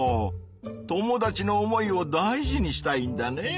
友達の思いを大事にしたいんだね。